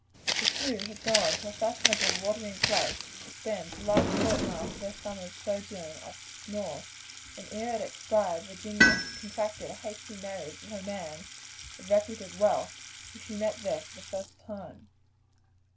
The two had gone to a fashionable watering place to spend the last fortnight of their summer's sojourn at the North, and ere it expired Virginia had contracted a hasty marriage with a man of reputed wealth, whom she met there for the first time.